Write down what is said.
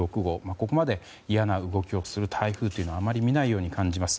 ここまで嫌な動きをする台風というのはあまり見ないように感じます。